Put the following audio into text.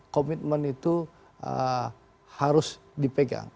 komitmen itu harus dipegang